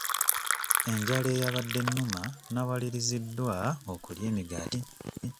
Enjala eyabadde ennuma nawaliriziddwa okulya emigaati ebiri.